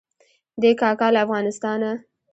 دی کاکا له افغانستانه.